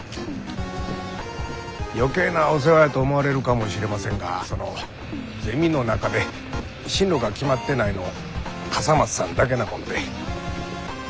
余計なお世話やと思われるかもしれませんがそのゼミの中で進路が決まってないの笠松さんだけなもんで。